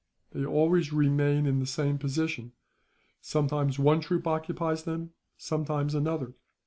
They always remain in the same position; sometimes one troop occupies them, sometimes another.